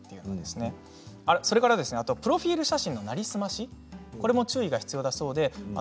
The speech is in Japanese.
それからプロフィール写真の成り済ましこれも注意が必要だそうです。